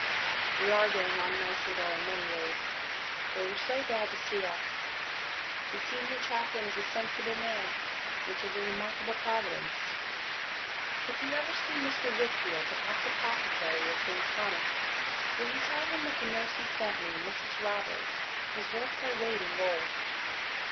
We are getting on nicely though in many ways. They were so glad to see us. The Senior Chaplain is a sensible man, which is a remarkable Providence.... If you ever see Mr. Whitfield, the House Apothecary of St. Thomas', will you tell him that the nurse he sent me, Mrs. Roberts, is worth her weight in gold....